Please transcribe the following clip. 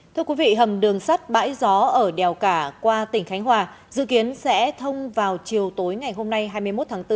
thưa quý vị hầm đường sắt bãi gió ở đèo cả qua tỉnh khánh hòa dự kiến sẽ thông vào chiều tối ngày hôm nay hai mươi một tháng bốn